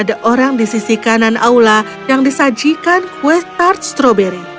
tidak ada orang di sisi kanan aula yang disajikan kue tar strawberry